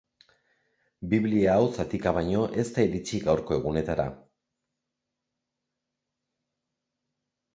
Biblia hau zatika baino ez da iritsi gaurko egunetara.